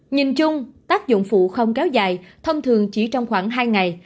nhìn chung tác dụng phụ không kéo dài thông thường chỉ trong khoảng hai ngày